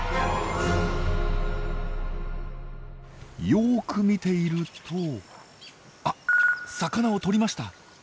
よく見ているとあっ魚をとりました！